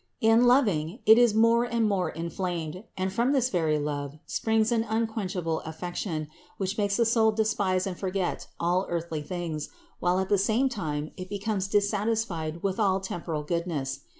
In loving, it is more and more inflamed, and from this very love springs an unquenchable affection, which makes the soul despise and forget all earthly things while at the same time it becomes dissatisfied with all temporal goodness.